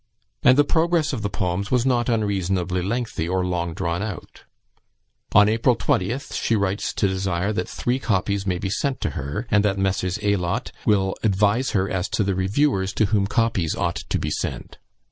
And the progress of the poems was not unreasonably lengthy or long drawn out. On April 20th she writes to desire that three copies may be sent to her, and that Messrs. Aylott will advise her as to the reviewers to whom copies ought to be sent.